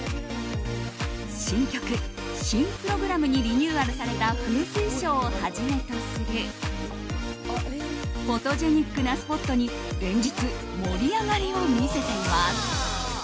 新曲、新プログラムにリニューアルされた噴水ショーをはじめとするフォトジェニックなスポットに連日盛り上がりを見せています。